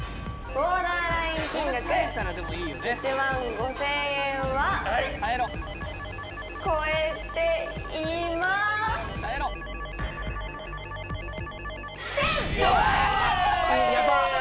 ボーダーライン金額１万５０００円は超えていません！